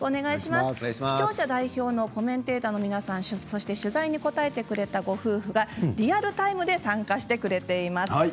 視聴者代表のコメンテーターの皆さん、そして取材に答えてくれたご夫婦がリアルタイムで参加してくれています。